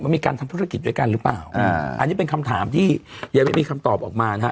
มันมีการทำธุรกิจด้วยกันหรือเปล่าอ่าอันนี้เป็นคำถามที่ยังไม่มีคำตอบออกมานะฮะ